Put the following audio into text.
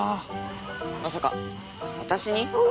まさか私に？